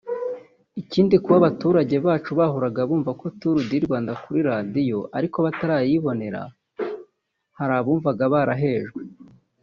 Ikindi kuba abaturage bacu bahoraga bumva ngo Tour du Rwanda kuri Radio ariko batarayibonera hari abumvaga barahejwe